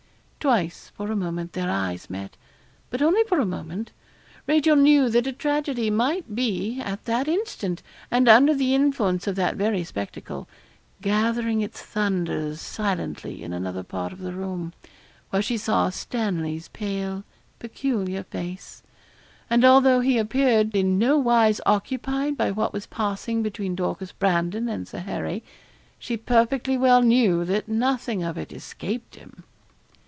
Twice, for a moment, their eyes met; but only for a moment. Rachel knew that a tragedy might be at that instant, and under the influence of that very spectacle gathering its thunders silently in another part of the room, where she saw Stanley's pale, peculiar face; and although he appeared in nowise occupied by what was passing between Dorcas Brandon and Sir Harry, she perfectly well knew that nothing of it escaped him.